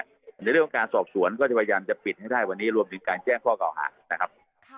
ในเรื่องของการสอบสวนก็จะพยายามจะปิดให้ได้วันนี้รวมถึงการแจ้งข้อเก่าหานะครับ